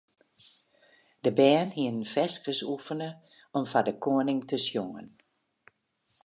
De bern hiene ferskes oefene om foar de koaning te sjongen.